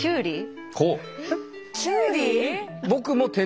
きゅうり？